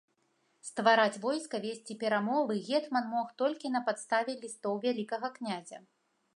Ствараць войска, весці перамовы гетман мог толькі на падставе лістоў вялікага князя.